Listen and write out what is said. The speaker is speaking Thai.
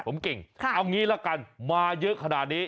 ผมเก่งเอางี้ละกันมาเยอะขนาดนี้